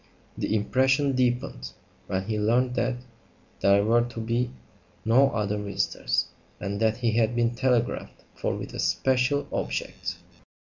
The impression deepened when he learned that there were to be no other visitors, and that he had been telegraphed for with a very special object.